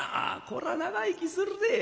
こらぁ長生きするで。